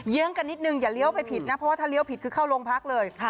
ื้องกันนิดนึงอย่าเลี้ยวไปผิดนะเพราะว่าถ้าเลี้ยวผิดคือเข้าโรงพักเลย